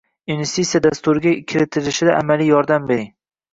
Investitsiya dasturiga kiritilishida amaliy yordam beriing.